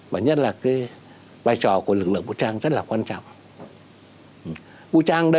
và nhất là cái vai trò của lực lượng vũ trang rất là quan trọng